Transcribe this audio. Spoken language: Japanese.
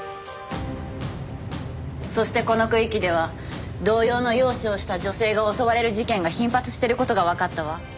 そしてこの区域では同様の容姿をした女性が襲われる事件が頻発している事がわかったわ。